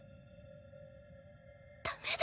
ダメだ。